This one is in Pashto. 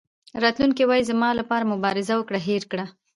راتلونکی وایي زما لپاره مبارزه وکړه هېر کړه.